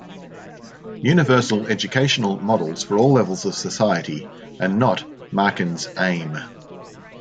Universal educational models for all levels of society are not Makin's aim.